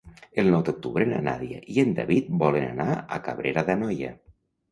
El nou d'octubre na Nàdia i en David volen anar a Cabrera d'Anoia.